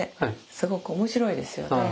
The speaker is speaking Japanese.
すごく面白いですよね。